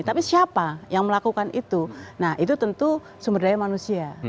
tapi siapa yang melakukan itu nah itu tentu sumber daya manusia